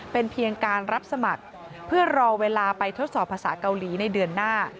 เป็นเพียงการรับสมัครเพื่อรอเวลาไปทดสอบภาษาเกาหลีในเดือนหน้า